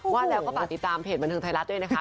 ว่าแล้วก็ฝากติดตามเพจบันเทิงไทยรัฐด้วยนะคะ